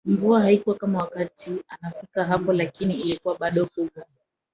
Mvua haikuwa kama wakati anafika hapo lakini ilikuwa bado kubwa